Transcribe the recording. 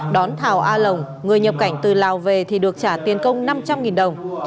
đón thảo a lồng người nhập cảnh từ lào về thì được trả tiền công năm trăm linh đồng